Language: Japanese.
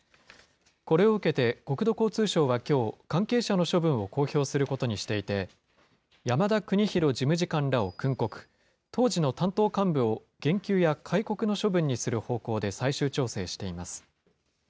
これを受けて国土交通省はきょう、関係者の処分を公表することにしていて、山田邦博事務次官らを訓告、当時の担当幹部を減給や戒告の処分にする方向で最終調整しています。